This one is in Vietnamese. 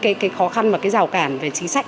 cái khó khăn và cái rào cản về chính sách